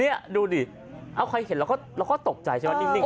นี่ดูดิเอาใครเห็นเราก็ตกใจใช่ไหมนิ่ง